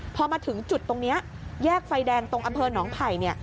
พอมาถึงจุดตรงนี้แยกไฟแดงตรงอำเภอหนองไผ่